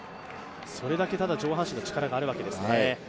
それだけ上半身の力があるわけですね。